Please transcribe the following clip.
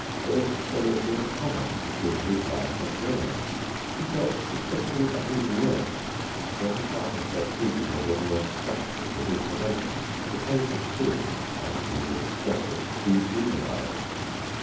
There was so little in common between his life and theirs. He felt distinctly at his worst when he found himself treated as a mere scrap book of information. It made him seem, as he would express it, de humanised.